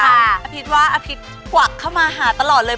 อาพิษว่าอาพิษกวักเข้ามาหาตลอดเลย